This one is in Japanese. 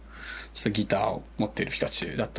ギターを持ってるピカチュウだったり。